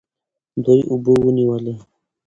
دوی اوبه ونیولې.